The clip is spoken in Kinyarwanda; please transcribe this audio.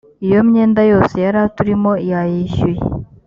iyo myenda yose yaraturimo yayishyuye